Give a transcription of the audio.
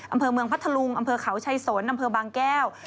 อำเภอเมืองพัทธลุงอำเภอเขาชัยสนอำเภอบางแก้ว